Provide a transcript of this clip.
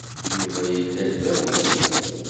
Yuba yella-d d awizi.